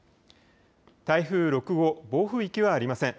台風６号、暴風域はありません。